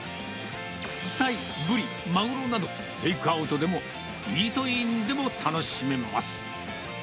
タイ、ブリ、マグロなど、テイクアウトでもイートインでも楽しめます。